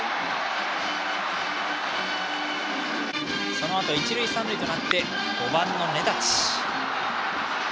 そのあと一塁三塁となって５番の根立。